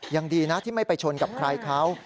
ยังดีนะที่ไม่ไปชนกับใครเขา